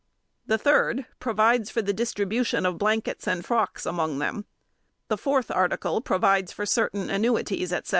The third provides for the distribution of blankets and frocks among them. The fourth article provides for certain annuities, etc.